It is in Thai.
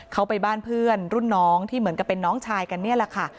เขาไปบ้านเพื่อนรุ่นน้องที่เหมือนกับเป็นน้องชายกันนี่แหละค่ะ